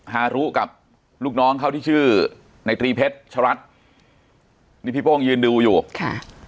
ฮารุกับลูกน้องเขาที่ชื่อในตรีเพชรชรัฐนี่พี่โป้งยืนดูอยู่ค่ะ